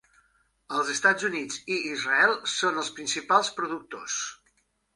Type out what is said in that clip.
Els Estats Units i Israel són els principals productors.